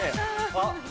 あっ。